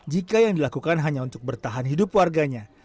jika yang dilakukan hanya untuk bertahan hidup warganya